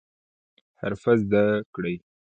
حرفه زده کړئ